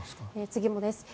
次もです。